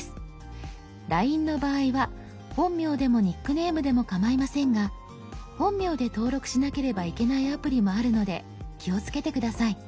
「ＬＩＮＥ」の場合は本名でもニックネームでもかまいませんが本名で登録しなければいけないアプリもあるので気をつけて下さい。